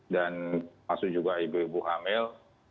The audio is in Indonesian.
dan masuk juga ibu ibu hamil